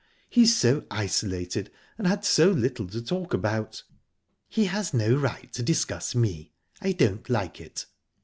"He's so isolated, and had so little to talk about." "He has no right to discuss me. I don't like it."